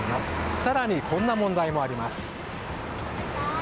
更に、こんな問題もあります。